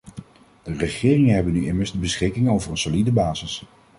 De regeringen hebben nu immers de beschikking over een solide basis.